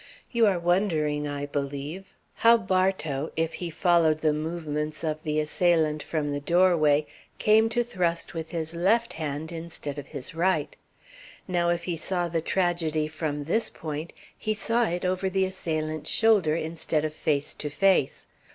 You are wondering, I believe, how Bartow, if he followed the movements of the assailant from the doorway, came to thrust with his left hand, instead of with his right. Now if he saw the tragedy from this point, he saw it over the assailant's shoulder, instead of face to face.